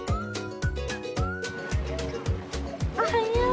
おはよう！